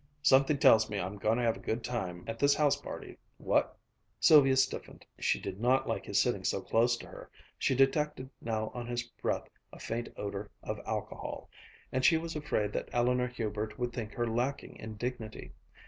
"Something tells me I'm goin' to have a good time at this house party, what?" Sylvia stiffened. She did not like his sitting so close to her, she detected now on his breath a faint odor of alcohol, and she was afraid that Eleanor Hubert would think her lacking in dignity.